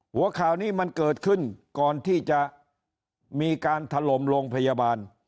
หัวข่าวนี้มันเกิดขึ้นก่อนที่จะมีการถล่มโรงพยาบาล